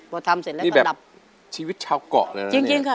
พอทำเสร็จแล้วก็ดับนี่แบบชีวิตชาวเกาะเลยหรือเปล่า